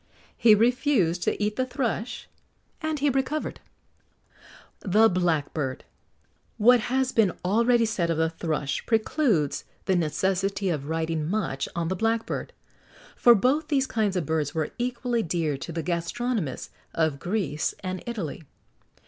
He refused to eat the thrush, and he recovered.[XX 56] THE BLACKBIRD. What has been already said of the thrush precludes the necessity of writing much on the blackbird, for both these kinds of birds were equally dear to the gastronomists of Greece and Italy.